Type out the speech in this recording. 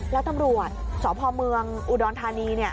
แล้วตำรวจสอบภอมเมืองอุดรธานีเนี่ย